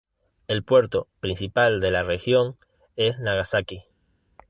El puerto principal de la región es Nagasaki.